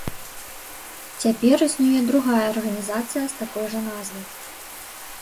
Цяпер існуе другая арганізацыя з такой жа назвай.